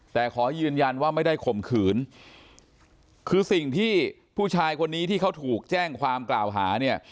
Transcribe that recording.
แต่ขอยืนยันว่าไม่ได้ข่มขืนคือสิ่งที่ผู้ชายคนนี้ที่เขาถูกแจ้งความกล่าวหาเนี่ย